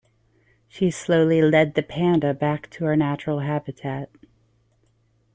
She slowly led the panda back to her natural habitat.